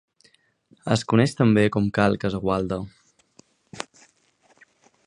Es coneix també com Cal Casagualda.